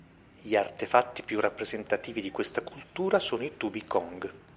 Gli artefatti più rappresentativi di questa cultura sono i tubi cong.